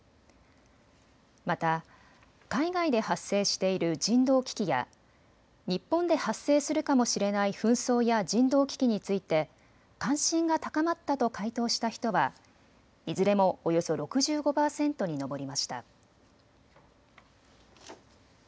また海外で発生している人道危機や日本で発生するかもしれない紛争や人道危機について関心が高まったと回答した人はいずれもおよそ６５％に上りました。